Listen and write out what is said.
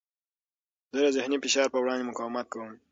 زه د ذهني فشار په وړاندې مقاومت کوم.